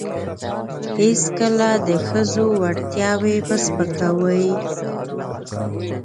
هیڅکله د ښځو وړتیاوې مه سپکوئ.